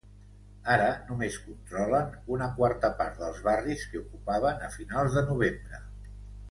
Ara només controlen una quarta part dels barris que ocupaven a finals de novembre.